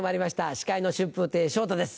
司会の春風亭昇太です